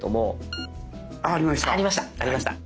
ああありました。